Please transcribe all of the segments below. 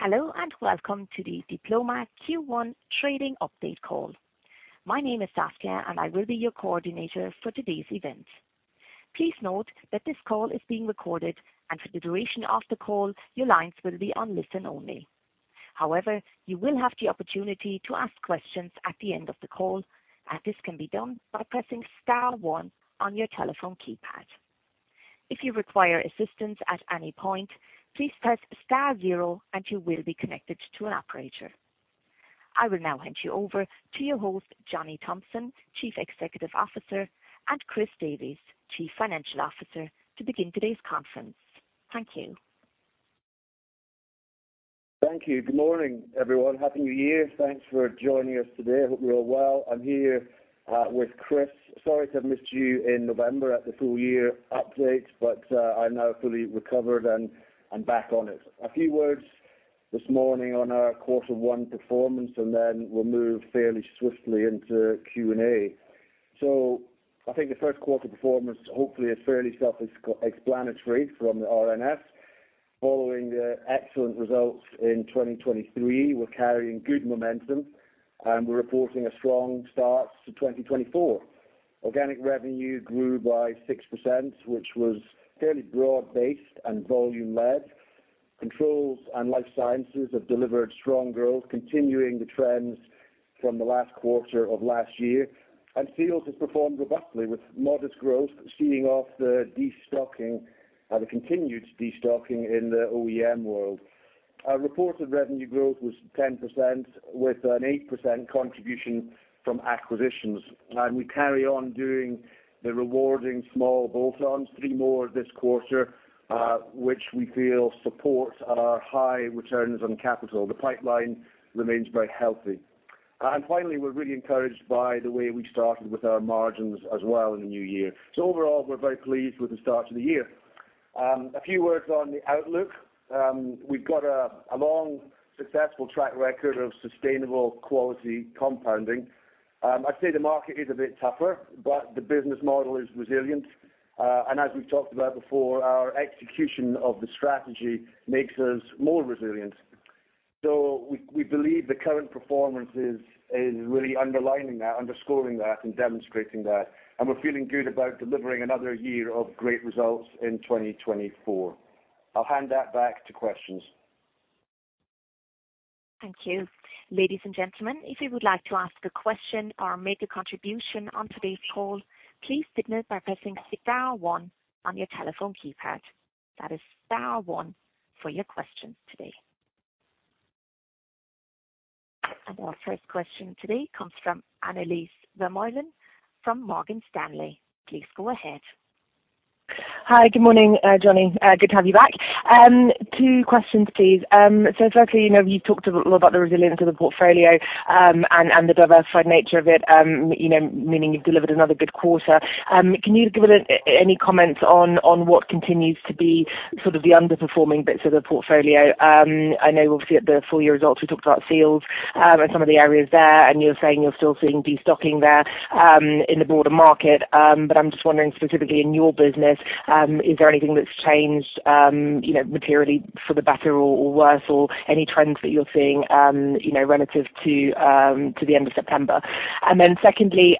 Hello, and welcome to the Diploma Q1 trading update call. My name is Saskia, and I will be your coordinator for today's event. Please note that this call is being recorded, and for the duration of the call, your lines will be on listen only. However, you will have the opportunity to ask questions at the end of the call, and this can be done by pressing star one on your telephone keypad. If you require assistance at any point, please press star zero, and you will be connected to an operator. I will now hand you over to your host, Johnny Thomson, Chief Executive Officer, and Chris Davies, Chief Financial Officer, to begin today's conference. Thank you. Thank you. Good morning, everyone. Happy New Year. Thanks for joining us today. I hope you're all well. I'm here with Chris. Sorry to have missed you in November at the full year update, but I'm now fully recovered and back on it. A few words this morning on our quarter one performance, and then we'll move fairly swiftly into Q&A. So I think the first quarter performance hopefully is fairly self-explanatory from the RNS. Following the excellent results in 2023, we're carrying good momentum, and we're reporting a strong start to 2024. Organic revenue grew by 6%, which was fairly broad based and volume led. Controls and life sciences have delivered strong growth, continuing the trends from the last quarter of last year, and Seals has performed robustly, with modest growth seeing off the destocking, the continued destocking in the OEM world. Our reported revenue growth was 10%, with an 8% contribution from acquisitions. We carry on doing the rewarding small bolt-ons, three more this quarter, which we feel support our high returns on capital. The pipeline remains very healthy. Finally, we're really encouraged by the way we started with our margins as well in the new year. Overall, we're very pleased with the start to the year. A few words on the outlook. We've got a long, successful track record of sustainable quality compounding. I'd say the market is a bit tougher, but the business model is resilient. And as we've talked about before, our execution of the strategy makes us more resilient. So we believe the current performance is really underlining that, underscoring that, and demonstrating that, and we're feeling good about delivering another year of great results in 2024. I'll hand that back to questions. Thank you. Ladies and gentlemen, if you would like to ask a question or make a contribution on today's call, please signal by pressing star one on your telephone keypad. That is star one for your questions today. Our first question today comes from Annelise Vermeulen from Morgan Stanley. Please go ahead. Hi. Good morning, Johnny. Good to have you back. Two questions, please. So firstly, you know, you've talked a lot about the resilience of the portfolio, and the diversified nature of it. You know, meaning you've delivered another good quarter. Can you give us any comments on what continues to be sort of the underperforming bits of the portfolio? I know obviously at the full year results, we talked about Seals, and some of the areas there, and you're saying you're still seeing destocking there, in the broader market. But I'm just wondering, specifically in your business, is there anything that's changed, you know, materially for the better or worse, or any trends that you're seeing, you know, relative to the end of September? And then secondly,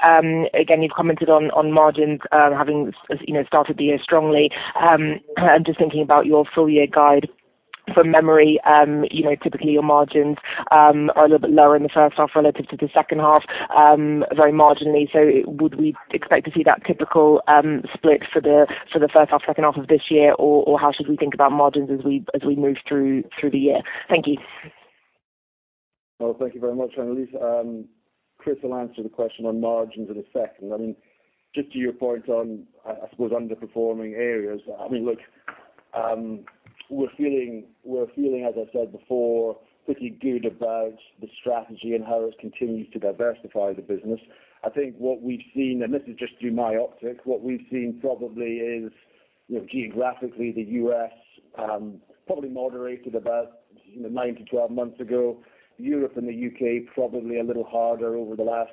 again, you've commented on margins, having, as you know, started the year strongly. I'm just thinking about your full year guide. From memory, you know, typically your margins are a little bit lower in the first half relative to the second half, very marginally. So would we expect to see that typical split for the first half, second half of this year? Or how should we think about margins as we move through the year? Thank you. Well, thank you very much, Annelise. Chris will answer the question on margins in a second. I mean, just to your point on, I suppose, underperforming areas, I mean, look, we're feeling, we're feeling, as I said before, pretty good about the strategy and how it continues to diversify the business. I think what we've seen, and this is just through my optics, what we've seen probably is, you know, geographically, the U.S., probably moderated about, you know, nine to 12 months ago. Europe and the U.K., probably a little harder over the last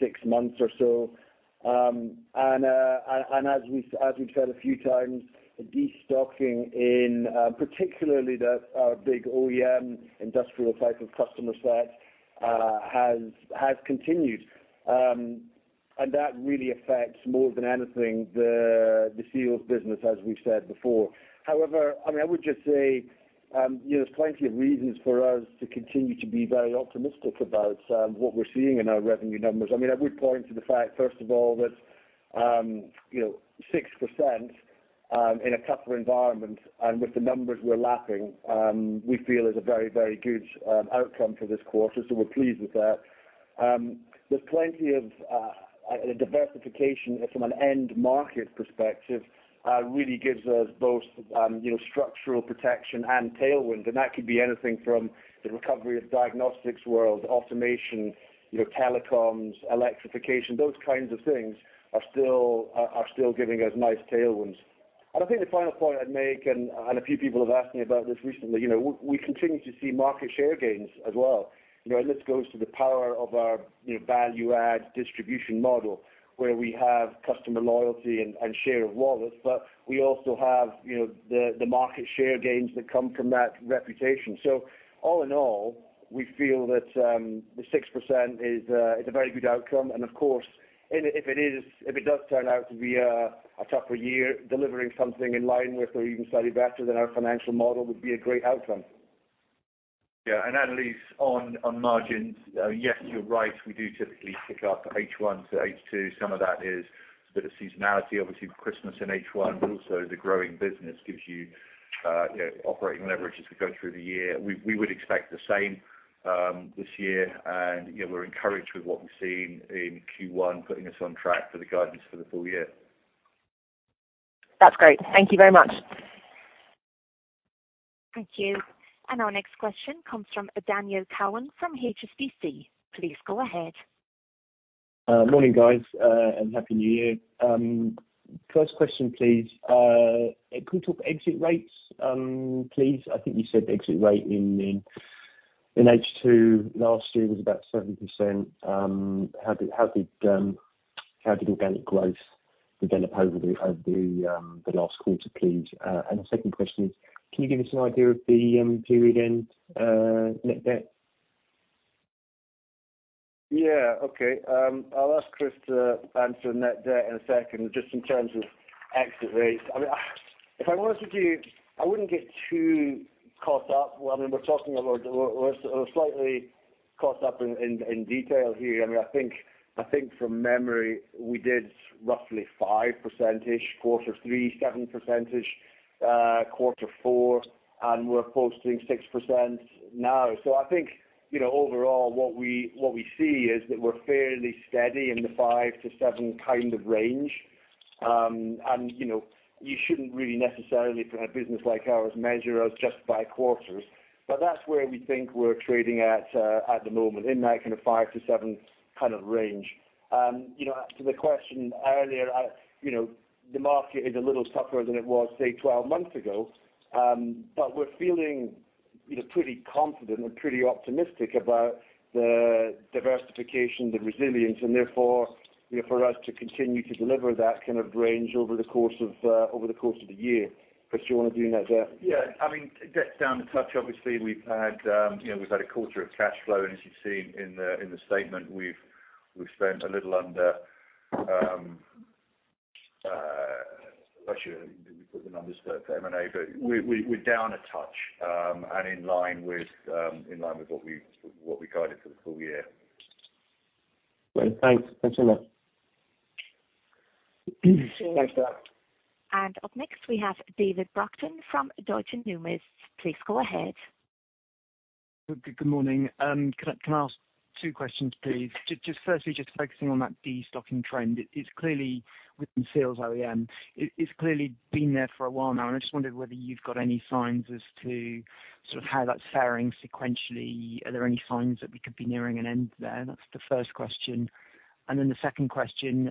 six months or so. And as we've said a few times, the destocking in, particularly the, our big OEM industrial type of customer set, has continued. And that really affects, more than anything, the Seals business, as we've said before. However, I mean, I would just say, you know, there's plenty of reasons for us to continue to be very optimistic about what we're seeing in our revenue numbers. I mean, I would point to the fact, first of all, that, you know, 6% in a tougher environment and with the numbers we're lapping, we feel is a very, very good outcome for this quarter, so we're pleased with that. There's plenty of diversification from an end market perspective, really gives us both, you know, structural protection and tailwinds, and that could be anything from the recovery of diagnostics world, automation, you know, telecoms, electrification. Those kinds of things are still giving us nice tailwinds. And I think the final point I'd make, and a few people have asked me about this recently, you know, we continue to see market share gains as well. You know, and this goes to the power of our, you know, value add distribution model, where we have customer loyalty and share of wallets. But we also have, you know, the market share gains that come from that reputation. So all in all, we feel that the 6% is a very good outcome. And of course, if it does turn out to be a tougher year, delivering something in line with or even slightly better than our financial model would be a great outcome. Yeah, and at least on margins, yes, you're right, we do typically kick off H1-H2. Some of that is a bit of seasonality, obviously, with Christmas in H1, but also the growing business gives you, you know, operating leverage as we go through the year. We would expect the same this year. And, you know, we're encouraged with what we've seen in Q1, putting us on track for the guidance for the full year. That's great. Thank you very much. Thank you. Our next question comes from Daniel Cowan from HSBC. Please go ahead. Morning, guys, and Happy New Year. First question, please, can we talk exit rates, please? I think you said the exit rate in H2 last year was about 70%. How did organic growth develop over the last quarter, please? And the second question is, can you give us an idea of the period-end net debt? Yeah, okay. I'll ask Chris to answer net debt in a second, just in terms of exit rates. I mean, if I'm honest with you, I wouldn't get too caught up. I mean, we're slightly caught up in detail here. I mean, I think from memory, we did roughly 5% quarter three, 7%, quarter four, and we're posting 6% now. So I think, you know, overall what we see is that we're fairly steady in the 5%-7% kind of range. And, you know, you shouldn't really necessarily, for a business like ours, measure us just by quarters. But that's where we think we're trading at, at the moment, in that kind of 5%-7% kind of range. You know, to the question earlier, you know, the market is a little tougher than it was, say, 12 months ago. But we're feeling, you know, pretty confident and pretty optimistic about the diversification, the resilience, and therefore, you know, for us to continue to deliver that kind of range over the course of, over the course of the year. Chris, do you want to do net there? Yeah. I mean, it gets down a touch. Obviously, we've had, you know, we've had a quarter of cash flow, and as you've seen in the statement, we've spent a little under, actually, we put the numbers there for M&A, but we're down a touch, and in line with what we guided for the full year. Great. Thanks. Thanks a lot. Thanks, Dan. Up next, we have David Brockton from Deutsche Numis. Please go ahead. Good morning. Can I ask two questions, please? Just firstly, focusing on that destocking trend. It's clearly within Seals OEM. It's clearly been there for a while now, and I just wondered whether you've got any signs as to sort of how that's faring sequentially. Are there any signs that we could be nearing an end there? That's the first question. And then the second question,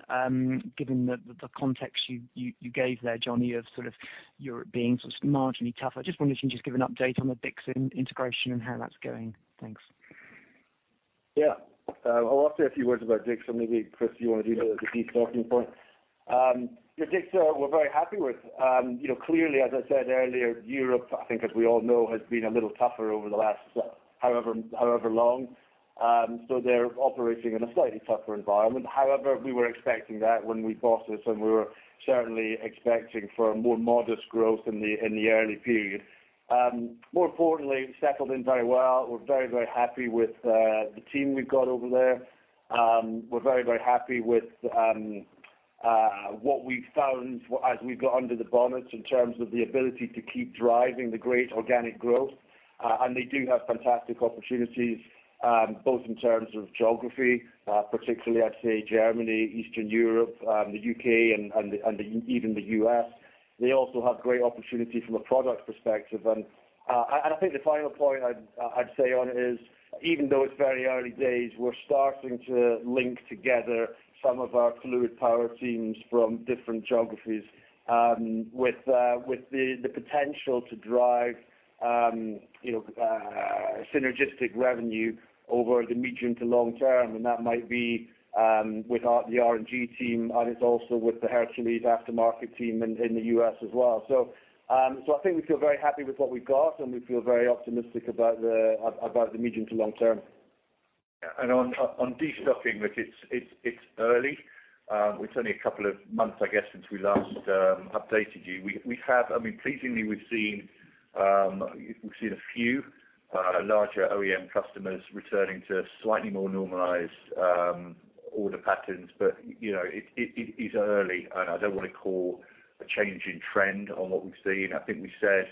given the context you gave there, Johnny, of sort of Europe being sort of marginally tougher, I just wondered if you can just give an update on the DICSA integration and how that's going. Thanks. Yeah. I'll say a few words about DICSA. Maybe, Chris, you want to do the destocking point? Yeah, DICSA, we're very happy with. You know, clearly, as I said earlier, Europe, I think, as we all know, has been a little tougher over the last, however, however long. So they're operating in a slightly tougher environment. However, we were expecting that when we bought this, and we were certainly expecting for a more modest growth in the, in the early period. More importantly, we settled in very well. We're very, very happy with the team we've got over there. We're very, very happy with what we've found as we've got under the bonnets in terms of the ability to keep driving the great organic growth. And they do have fantastic opportunities, both in terms of geography, particularly, I'd say, Germany, Eastern Europe, the U.K. and even the U.S. They also have great opportunity from a product perspective. And I think the final point I'd say on it is, even though it's very early days, we're starting to link together some of our fluid power teams from different geographies, with the potential to drive, you know, synergistic revenue over the medium to long term, and that might be with our R&G team, and it's also with the Hercules aftermarket team in the U.S. as well. So I think we feel very happy with what we've got, and we feel very optimistic about the medium to long term. On destocking, which it's early, it's only a couple of months, I guess, since we last updated you. We have... I mean, pleasingly, we've seen, we've seen a few, larger OEM customers returning to slightly more normalized, order patterns. But, you know, it, it's early, and I don't want to call a change in trend on what we've seen. I think we said,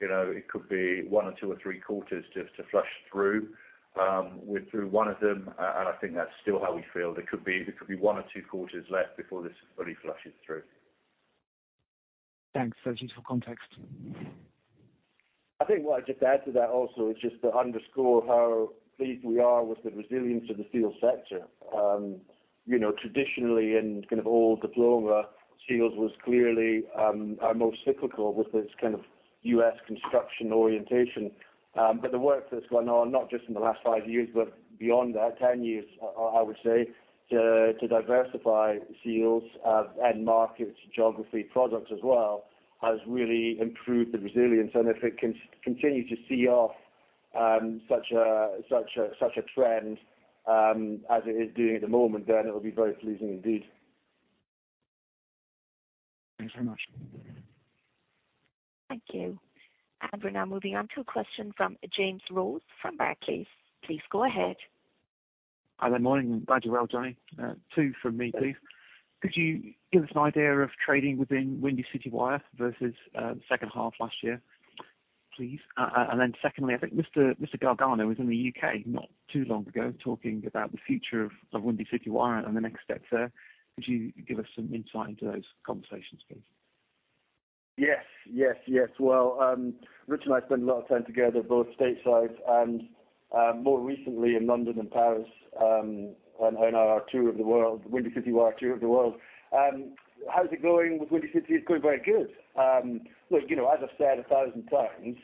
you know, it could be one or two or three quarters just to flush through. We're through one of them, and I think that's still how we feel. There could be one or two quarters left before this fully flushes through. Thanks for your useful context. I think what I'd just add to that also is just to underscore how pleased we are with the resilience of the Seals sector. You know, traditionally, in kind of old Diploma, Seals was clearly our most cyclical with its kind of U.S. construction orientation. But the work that's gone on, not just in the last five years, but beyond that, ten years, I would say, to diversify Seals end markets, geography, products as well, has really improved the resilience. And if it continue to see off such a trend as it is doing at the moment, then it will be very pleasing indeed. Thanks very much. Thank you. We're now moving on to a question from James Rose from Barclays. Please go ahead. Hi there, morning. Glad you're well, Johnny. Two from me, please. Could you give us an idea of trading within Windy City Wire versus the second half of last year, please? And then secondly, I think Mr. Galgano was in the U.K. not too long ago, talking about the future of Windy City Wire and the next steps there. Could you give us some insight into those conversations, please? Yes. Yes, yes. Well, Rich and I spend a lot of time together, both stateside and, more recently, in London and Paris, on, on our tour of the world, Windy City Wire tour of the world. How's it going with Windy City? It's going very good. Look, you know, as I've said a thousand times,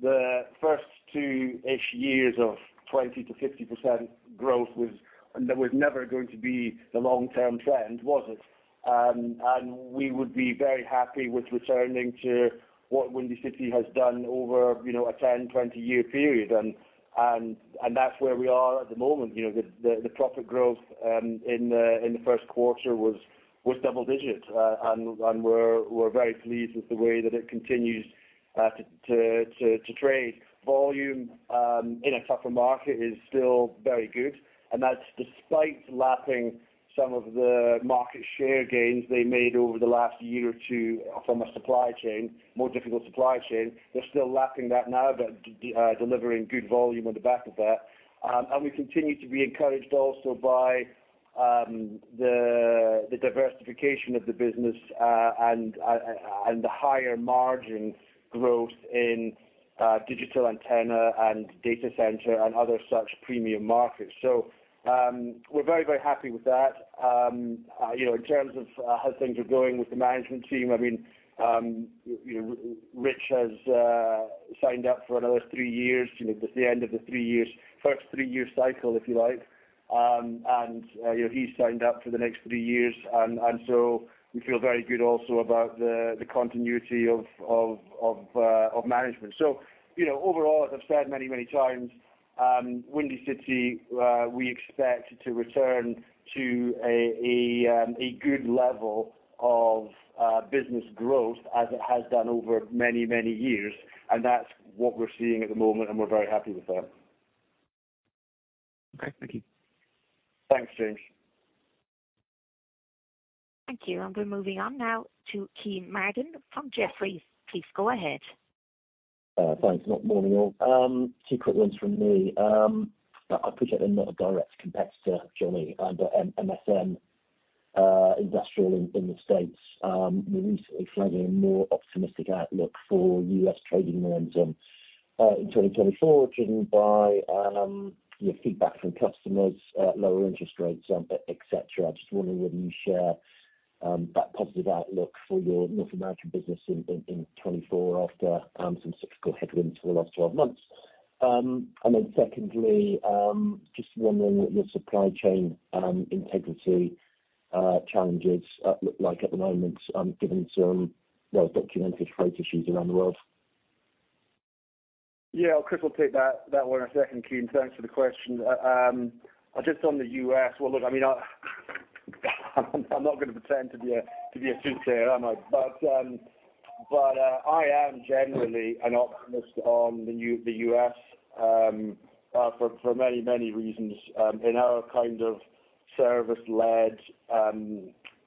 the first 2-ish years of 20%-50% growth was, that was never going to be the long-term trend, was it? And we would be very happy with returning to what Windy City has done over, you know, a 10, 20-year period. And, and, and that's where we are at the moment. You know, the, the, the profit growth, in the, in the first quarter was, was double digits. And, and we're, we're very pleased with the way that it continues, to, to, to trade. Volume in a tougher market is still very good, and that's despite lapping some of the market share gains they made over the last year or two from a supply chain, more difficult supply chain. They're still lapping that now, but delivering good volume on the back of that. And we continue to be encouraged also by the diversification of the business and the higher margin growth in digital antenna and data center and other such premium markets. So, we're very, very happy with that. You know, in terms of how things are going with the management team, I mean, Rich has signed up for another three years, you know, at the end of the three years, first three-year cycle, if you like. And, you know, he's signed up for the next three years, and so we feel very good also about the continuity of management. So, you know, overall, as I've said many, many times, Windy City, we expect to return to a good level of business growth as it has done over many, many years, and that's what we're seeing at the moment, and we're very happy with that. Okay, thank you. Thanks, James. Thank you, and we're moving on now to Kean Madden from Jefferies. Please go ahead. Thanks. Morning, all. Two quick ones from me. I appreciate they're not a direct competitor, Johnny, but, MSC Industrial in the States, we recently flagged a more optimistic outlook for U.S. trading momentum in 2024, driven by, you know, feedback from customers, lower interest rates, et cetera. I'm just wondering whether you share that positive outlook for your North American business in 2024 after some cyclical headwinds for the last 12 months? And then secondly, just wondering what your supply chain integrity challenges look like at the moment, given some well-documented freight issues around the world. Yeah, I'll quickly take that one in a second, Keane. Thanks for the question. Just on the U.S., well, look, I mean, I'm not gonna pretend to be a soothsayer, am I? But I am generally an optimist on the U.S. for many reasons. In our kind of service-led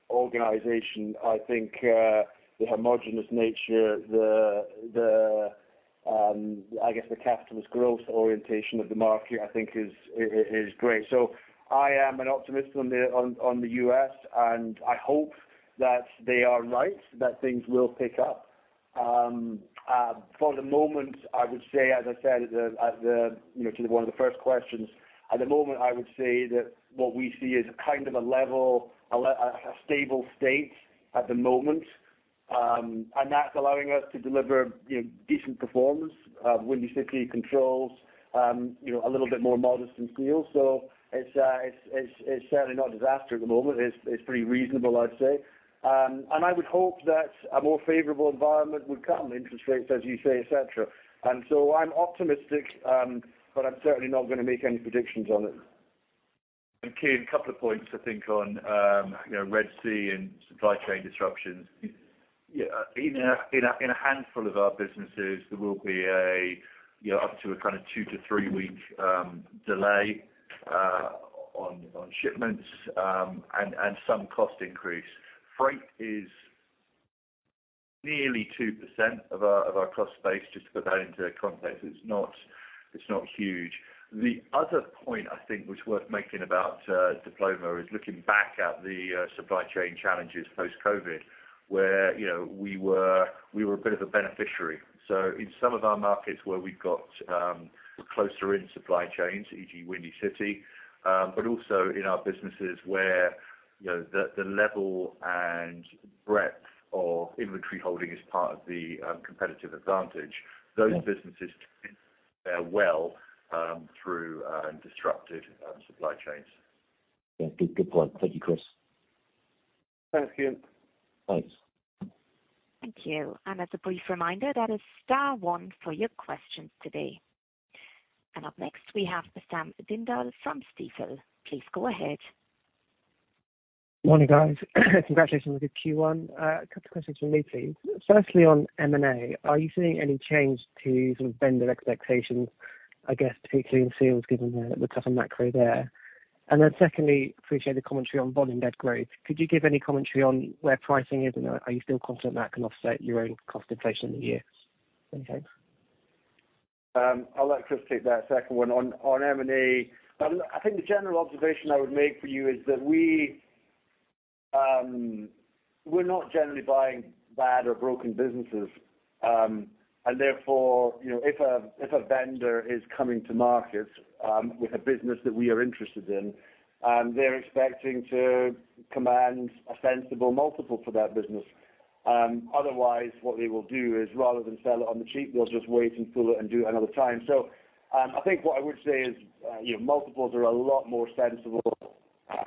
organization, I think the homogenous nature, I guess the capitalist growth orientation of the market, I think is great. So I am an optimist on the U.S., and I hope that they are right, that things will pick up. For the moment, I would say, as I said at the, you know, to one of the first questions, at the moment, I would say that what we see is kind of a level, a stable state at the moment. And that's allowing us to deliver, you know, decent performance. Windy City Wire, you know, a little bit more modest than Seals, so it's certainly not a disaster at the moment. It's pretty reasonable, I'd say. And I would hope that a more favorable environment would come, interest rates, as you say, et cetera. And so I'm optimistic, but I'm certainly not gonna make any predictions on it. Keane, a couple of points, I think, on, you know, Red Sea and supply chain disruptions. Yeah, in a handful of our businesses, there will be a, you know, up to a kind of two to three week delay on shipments, and some cost increase. Freight is nearly 2% of our cost base, just to put that into context. It's not huge. The other point I think which is worth making about Diploma is looking back at the supply chain challenges post-COVID, where, you know, we were a bit of a beneficiary. In some of our markets where we've got closer in supply chains, e.g., Windy City, but also in our businesses where, you know, the, the level and breadth of inventory holding is part of the competitive advantage, those businesses fare well through disrupted supply chains. Yeah. Good, good point. Thank you, Chris. Thanks, Kean. Thanks. Thank you. And as a brief reminder, that is star one for your questions today. And up next, we have Sam Dindol from Stifel. Please go ahead. Morning, guys. Congratulations on the good Q1. A couple questions from me, please. Firstly, on M&A, are you seeing any change to sort of vendor expectations, I guess, particularly in Seals, given the tougher macro there? And then secondly, appreciate the commentary on volume net growth. Could you give any commentary on where pricing is, and are you still confident that can offset your own cost inflation in the year? Many thanks. I'll let Chris take that second one. On M&A, I think the general observation I would make for you is that we, we're not generally buying bad or broken businesses. And therefore, you know, if a vendor is coming to market with a business that we are interested in, they're expecting to command a sensible multiple for that business. Otherwise, what they will do is, rather than sell it on the cheap, they'll just wait and pull it and do it another time. So, I think what I would say is, you know, multiples are a lot more sensible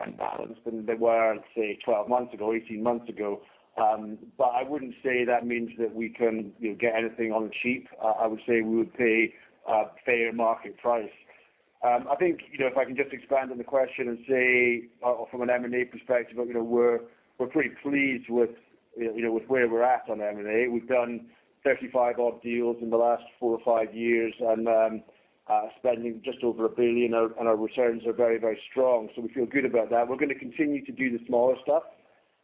and balanced than they were, say, 12 months ago, 18 months ago. But I wouldn't say that means that we can, you know, get anything on the cheap. I would say we would pay a fair market price. I think, you know, if I can just expand on the question and say, from an M&A perspective, you know, we're pretty pleased with, you know, with where we're at on M&A. We've done 35 odd deals in the last four or five years, and spending just over 1 billion, and our returns are very, very strong, so we feel good about that. We're gonna continue to do the smaller stuff.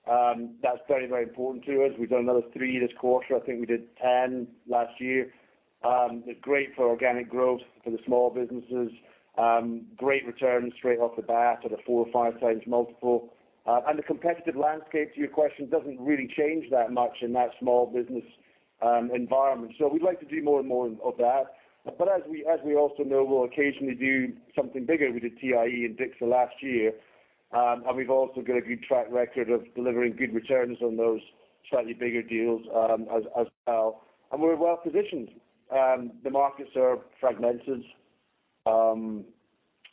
That's very, very important to us. We've done another three this quarter. I think we did 10 last year. They're great for organic growth for the small businesses. Great returns straight off the bat at a 4x or 5x multiple. The competitive landscape, to your question, doesn't really change that much in that small business environment. We'd like to do more and more of that. But as we, as we also know, we'll occasionally do something bigger. We did TIE and DICSA last year. We've also got a good track record of delivering good returns on those slightly bigger deals, as, as well. We're well positioned. The markets are fragmented.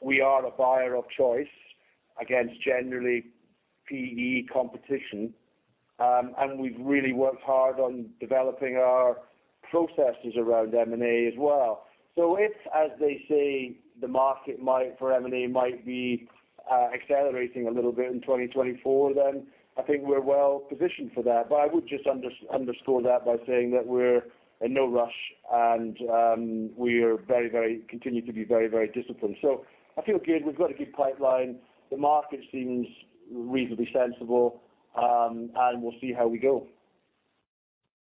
We are a buyer of choice against generally PE competition. We've really worked hard on developing our processes around M&A as well. So if, as they say, the market might, for M&A, might be, accelerating a little bit in 2024, then I think we're well positioned for that. But I would just underscore that by saying that we're in no rush, and we continue to be very, very disciplined. So I feel good. We've got a good pipeline. The market seems reasonably sensible, and we'll see how we go.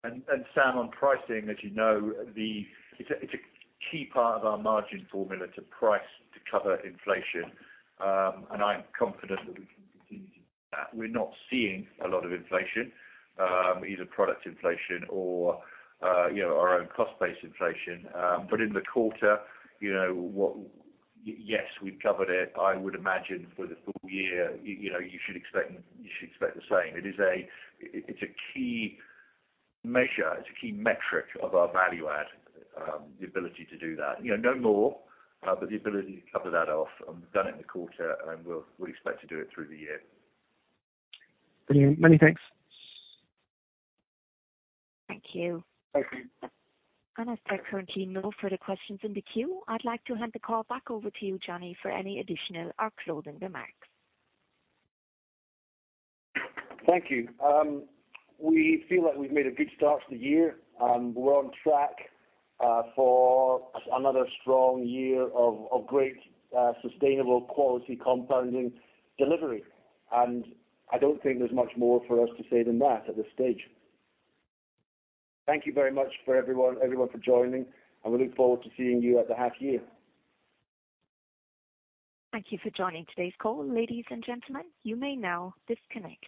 And Sam, on pricing, as you know, it's a key part of our margin formula to price to cover inflation. And I'm confident that we can continue to do that. We're not seeing a lot of inflation, either product inflation or, you know, our own cost base inflation. But in the quarter, you know, Yes, we've covered it. I would imagine for the full year, you know, you should expect, you should expect the same. It is a key measure, it's a key metric of our value add, the ability to do that. You know, no more, but the ability to cover that off. Done it in the quarter, and we'll expect to do it through the year. Brilliant. Many thanks. Thank you. Thank you. As there are currently no further questions in the queue, I'd like to hand the call back over to you, Johnny, for any additional or closing remarks. Thank you. We feel like we've made a good start to the year, and we're on track for another strong year of great sustainable quality compounding delivery. I don't think there's much more for us to say than that at this stage. Thank you very much for everyone for joining, and we look forward to seeing you at the half year. Thank you for joining today's call, ladies and gentlemen. You may now disconnect.